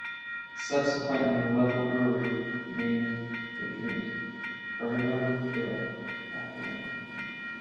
Subsequently a local brewery named a drink "Burglar Bill" after him.